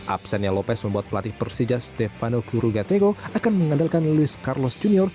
absennya lopez membuat pelatih persija stefano curugatego akan mengandalkan louis carlos junior